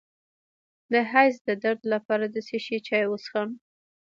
د حیض د درد لپاره د څه شي چای وڅښم؟